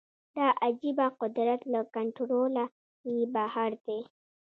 دا عجیبه قدرت له کنټروله یې بهر دی